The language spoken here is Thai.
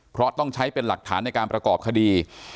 เพราะต้องใช้เป็นหลักฐานในการประกอบคดี